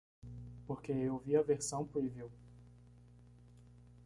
Porque eu vi a versão preview